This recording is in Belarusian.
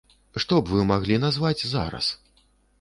Што б вы маглі назваць зараз?